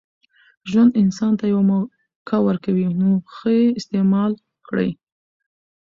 ژوند انسان ته یوه موکه ورکوي، نوښه ئې استعیمال کړئ!